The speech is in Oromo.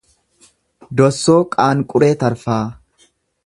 Dossoo Qaanquree Tarfaa